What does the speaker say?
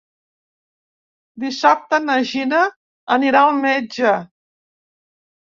Dissabte na Gina anirà al metge.